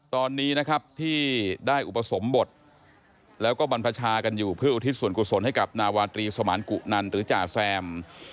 ตอนนี้นะครับที่ได้อุปสมบทแล้วก็บรรพชากันอยู่เพื่ออุทิศส่วนกุศลให้กับนาวาตรีสมานกุนันหรือจ่าแซม